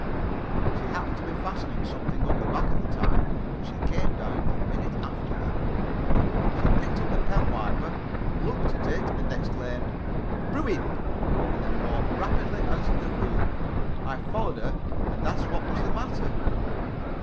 She happened to be fastening something up the back at the time, but she came down a minute afterward. She picked up the pen wiper, looked at it, exclaimed "Ruined!" and then walked rapidly out of the room. I followed her, and asked what was the matter.